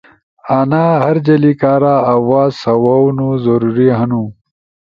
انا ہر جلی کارا آواز سواؤنو ضروری ہنو۔